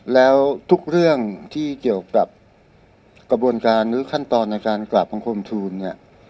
แล้วทุกเรื่องที่เกี่ยวกับกระบวนการหรือขั้นตอนในการกราบบังคมทูลเนี่ย